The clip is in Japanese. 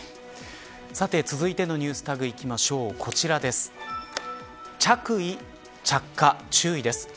さて、続いてのＮｅｗｓＴａｇいきましょう、こちらです。